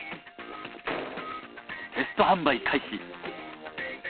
テスト販売開始。